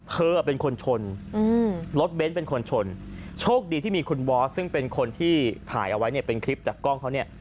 เธอเป็นคนชนรถเบ้นเป็นคนชนโชคดีที่มีคุณบอสซึ่งเป็นคนที่ถ่ายเอาไว้เนี่ยเป็นคลิปจากกล้องเขาเนี่ย